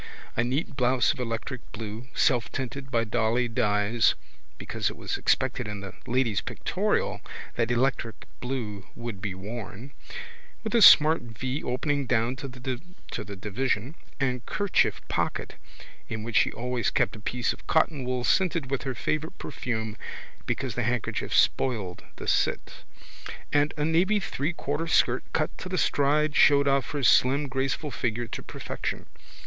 A neat blouse of electric blue selftinted by dolly dyes (because it was expected in the Lady's Pictorial that electric blue would be worn) with a smart vee opening down to the division and kerchief pocket (in which she always kept a piece of cottonwool scented with her favourite perfume because the handkerchief spoiled the sit) and a navy threequarter skirt cut to the stride showed off her slim graceful figure to perfection.